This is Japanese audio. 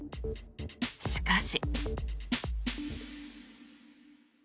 しかし。